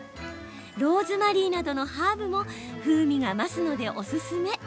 ローズマリーなどのハーブも風味が増すのでおすすめ。